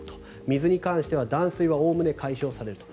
水に関しては断水はおおむね解消されると。